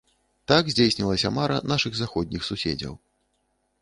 Так здзейснілася мара нашых заходніх суседзяў.